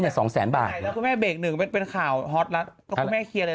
เนี่ยสองแสนบาทหลังนนึกเป็นข่าวฮอตลัดแล้วก็คุณแม่แคลียร์เลย